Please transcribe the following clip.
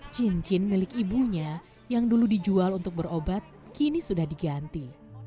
cincin milik ibunya yang dulu dijual untuk berobat kini sudah diganti